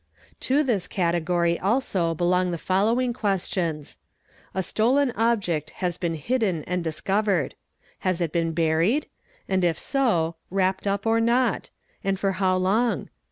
| To this category also belong the following questions :—A stolen object has been hidden and discovered™®; has it been buried? and if so, wrapped up or not? and for how long?